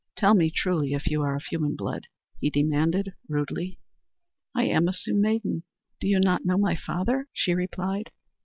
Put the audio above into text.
Tell me truly if you are of human blood," he demanded rudely. "I am a Sioux maiden! Do you not know my father?" she replied.